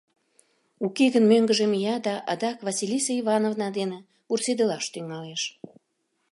Уке гын, мӧҥгыжӧ мия да адак Василиса Ивановна дене вурседылаш тӱҥалеш.